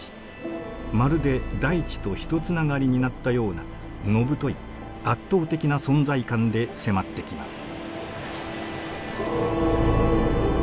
まるで大地とひとつながりになったような野太い圧倒的な存在感で迫ってきます。